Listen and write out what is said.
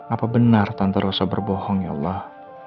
apa benar tante rosa berbohong ya allah